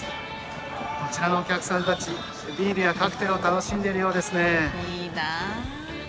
こちらのお客さんたちビールやカクテルを楽しんでいるようですね。